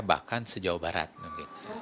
bahkan sejauh barat mungkin